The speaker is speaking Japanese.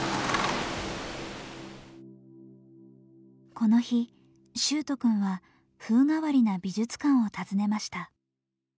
この日秀斗くんは風変わりな美術館を訪ねました。